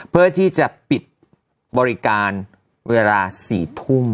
เพื่อที่จะปิดบริการเวลา๔ทุ่ม